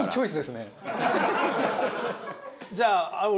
じゃあ俺